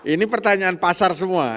ini pertanyaan pasar semua